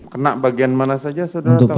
kena bagian mana saja saudara tahu